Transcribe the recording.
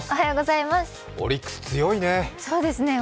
オリックス強いね。